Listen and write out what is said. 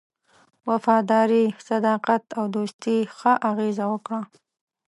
وفاداري، صداقت او دوستی ښه اغېزه وکړه.